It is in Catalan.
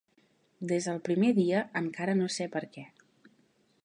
Des del primer dia, encara no sé perquè.